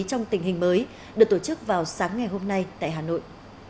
trong tình hình mới được tổ chức vào sáng ngày hôm nay tại hà nội